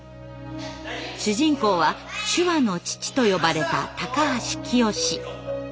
主人公は「手話の父」と呼ばれた高橋潔。